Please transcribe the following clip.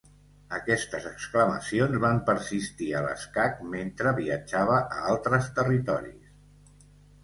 Aquestes exclamacions van persistir a l'escac mentre viatjava a altres territoris.